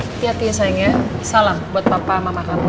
hati hati ya sayang ya salam buat papa mama kamu ya